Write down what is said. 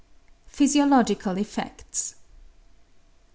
Pliysiological Effects.